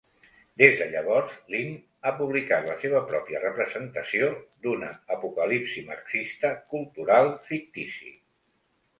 Des de llavors, Lind ha publicat la seva pròpia representació d'una apocalipsi marxista cultural fictici.